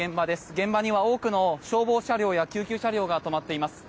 現場には多くの消防車両や救急車両が止まっています。